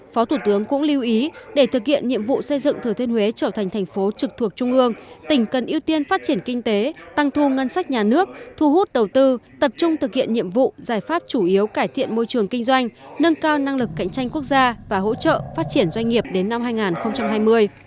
phó thủ tướng cũng lưu ý để thực hiện nhiệm vụ xây dựng thừa thiên huế trở thành thành phố trực thuộc trung ương tỉnh cần ưu tiên phát triển kinh tế tăng thu ngân sách nhà nước thu hút đầu tư tập trung thực hiện nhiệm vụ giải pháp chủ yếu cải thiện môi trường kinh doanh nâng cao năng lực cạnh tranh quốc gia và hỗ trợ phát triển doanh nghiệp đến năm hai nghìn hai mươi